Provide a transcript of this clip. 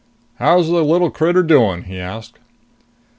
"How's the little critter doing?" he asked.